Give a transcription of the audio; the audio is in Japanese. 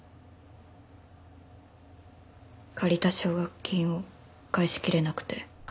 借りた奨学金を返しきれなくて。